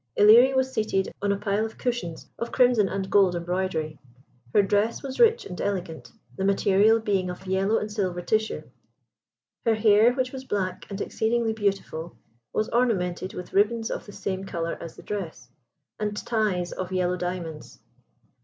Ilerie was seated on a pile of cushions of crimson and gold embroidery. Her dress was rich and elegant, the material being of yellow and silver tissue. Her hair, which was black and exceedingly beautiful, was ornamented with ribbons of the same colour as the dress, and ties of yellow diamonds.